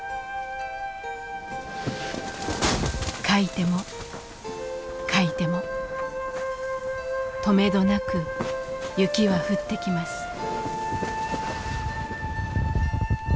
かいてもかいてもとめどなく雪は降ってきます。